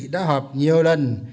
đã họp nhiều lần